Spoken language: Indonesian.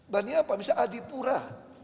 banding apa misalnya adipura